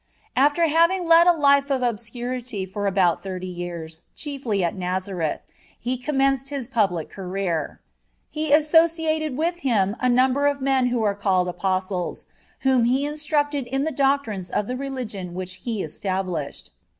After having led a life of obscurity for about thirty years, chiefly at Nazareth, He commenced His public career. He associated with Him a number of men who are named Apostles, whom He instructed in the doctrines of the religion which He established.